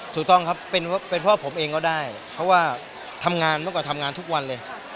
ถูกต้องครับเป็นพ่อผมเองก็ได้เพราะว่าทำงานเมื่อก่อนทำงานทุกวันเลย